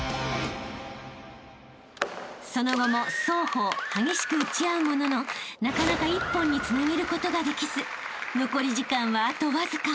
［その後も双方激しく打ち合うもののなかなか一本につなげることができず残り時間はあとわずか］